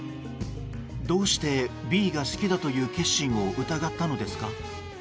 どうしてＢが好きだという決心を疑ったのですか。